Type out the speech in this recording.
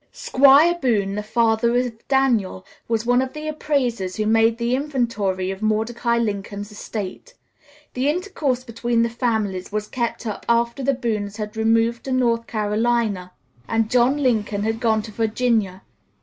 Squire Boone, the father of Daniel, was one of the appraisers who made the inventory of Mordecai Lincoln's estate. The intercourse between the families was kept up after the Boones had removed to North Carolina and John Lincoln had gone to Virginia.